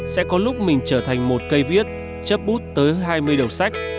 sẽ có lúc mình trở thành một cây viết chấp bút tới hai mươi đầu sách